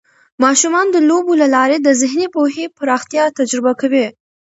ماشومان د لوبو له لارې د ذهني پوهې پراختیا تجربه کوي.